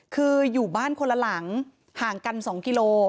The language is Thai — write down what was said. คืออยู่บ้านคนละหลังห่างกัน๒กิโล